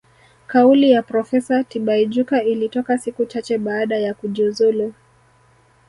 Kauli ya Profesa Tibaijuka ilitoka siku chache baada ya kujiuzulu